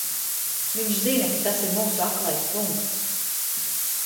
Viņš zina, ka tas ir mūsu aklais punkts!